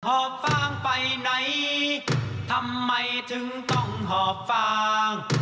อบฟางไปไหนทำไมถึงต้องหอบฟาง